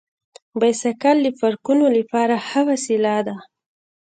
بایسکل د پارکونو لپاره ښه وسیله ده.